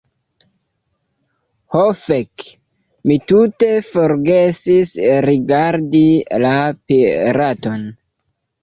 Ho fek, mi tute forgesis rigardi la piraton!